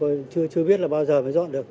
lần này thì chưa biết là bao giờ mới dọn được